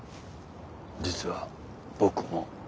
実は僕も。